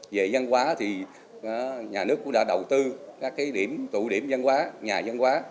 về văn hóa thì nhà nước cũng đã đầu tư các tụ điểm văn hóa nhà văn hóa